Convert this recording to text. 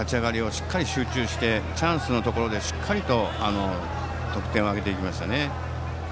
しっかり集中してチャンスのところでしっかりと得点を挙げましたね。